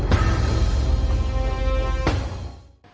ใครจะรับรับกระเภา